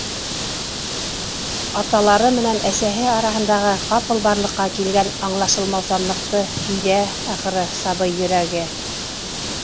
Аталары менән әсәһе араһындағы ҡапыл барлыҡҡа килгән аңлашылмаусанлыҡты һиҙә, ахыры, сабый йөрәге.